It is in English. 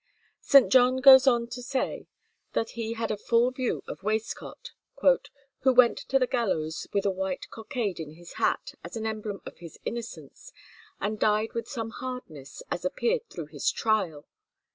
St. John goes on to say that he had a full view of Waistcott, "who went to the gallows with a white cockade in his hat as an emblem of his innocence, and died with some hardness, as appeared through his trial."